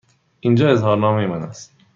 اینجا اظهارنامه من است.